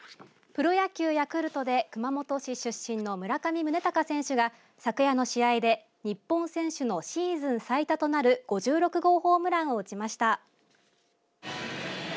プロ野球ヤクルトで熊本市出身の村上宗隆選手が、昨夜の試合で日本選手のシーズン最多となる５６号ホームランを打ちました。